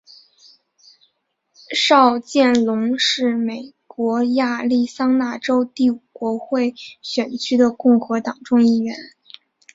邵建隆是美国亚利桑那州第五国会选区的共和党众议员。